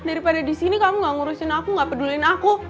daripada di sini kamu gak ngurusin aku gak peduliin aku